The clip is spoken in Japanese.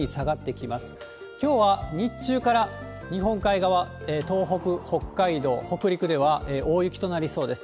きょうは日中から日本海側、東北、北海道、北陸では大雪となりそうです。